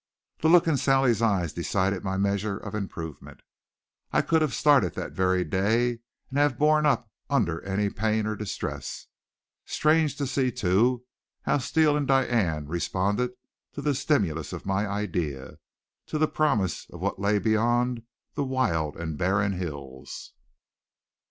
The look in Sally's eyes decided my measure of improvement. I could have started that very day and have borne up under any pain or distress. Strange to see, too, how Steele and Diane responded to the stimulus of my idea, to the promise of what lay beyond the wild and barren hills!